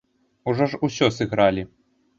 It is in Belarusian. Ужо ж усё сыгралі!